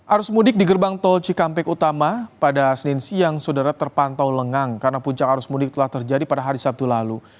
arus mudik di gerbang tol cikampek utama pada senin siang saudara terpantau lengang karena puncak arus mudik telah terjadi pada hari sabtu lalu